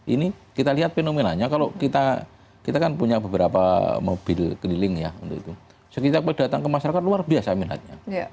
ini kita lihat fenomenanya kalau kita kita kan punya beberapa mobil keliling ya untuk itu sekitar datang ke masyarakat luar biasa minatnya